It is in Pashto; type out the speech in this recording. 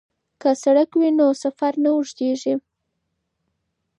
که سړک وي نو سفر نه اوږدیږي.